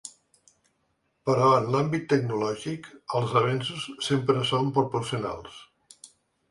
Però en l’àmbit tecnològic els avenços sempre són proporcionals.